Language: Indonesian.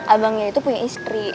abangnya itu punya istri